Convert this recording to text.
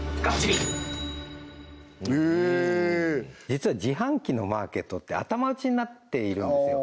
実は自販機のマーケットって頭打ちになっているんですよ